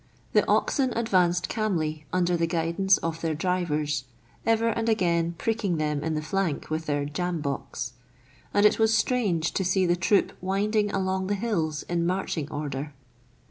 The oxen advanced calmly under the guidance of their drivers, ever and again pricking them in the flank with their " jambox ;" and it was strange to see the troop winding along the hills in marching order.